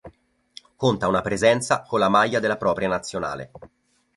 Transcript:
Conta una presenza con la maglia della propria Nazionale.